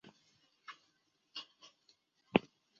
比之后所提的颜料靛要来得明亮许多。